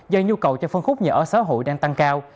do nhu cầu cho phân khúc nhà ở xã hội đang tăng cao